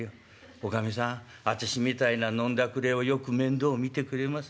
『おかみさんあたしみたいな飲んだくれをよく面倒を見てくれます。